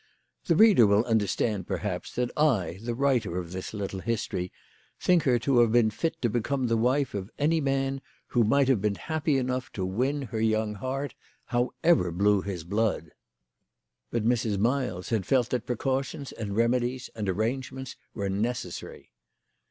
The reader will understand, per haps, that I, the writer of this little history, think her to have been fit to become the wife of any man who might have been happy enough to win her young heart, however blue his blood. But Mrs. Miles had THE LADY OF LAUNAY. 113 felt that precautions and remedies and arrangements were necessary.